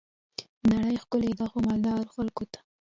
نړۍ ښکلي ده خو، مالدارو خلګو ته.